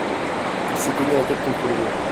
Il s'est cogné la tête contre le mur.